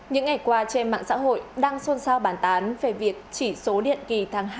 những ngày qua trên mạng xã hội đang xôn xao bản tán về việc chỉ số điện kỳ tháng hai